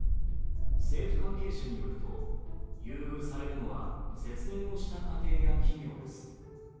政府関係者によると、優遇されるのは節電をした家庭や企業です。